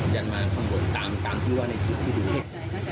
ยันมาข้างบนตามตามที่ว่าในคลิปที่ดูเห็น